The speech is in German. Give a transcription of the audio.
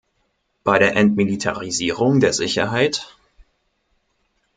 Bei der Entmilitarisierung der Sicherheit?